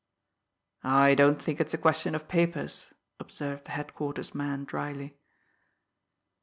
"I don't think it's a question of papers," observed the Headquarters man dryly.